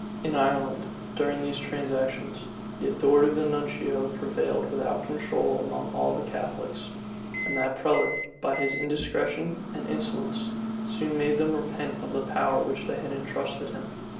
In Ireland, during these transactions, the authority of the nuncio prevailed without control among all the Catholics; and that prelate, by his indiscretion and insolence, soon made them repent of the power with which they had intrusted him.